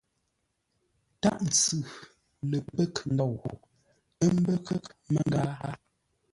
Tâʼ ntsʉ lə pə́ghʼ ndou, ə́ mbə́ghʼ mə́ngáa.